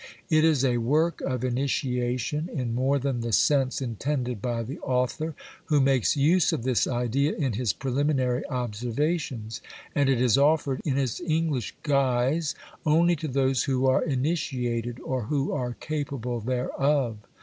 It is a work of initiation in more than the sense intended by the author, who makes use of this idea in his preliminary observations, and it is offered in its English guise only to those who are initiated or who are capable thereof.